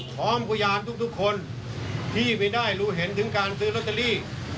พยานทุกคนที่ไม่ได้รู้เห็นถึงการซื้อลอตเตอรี่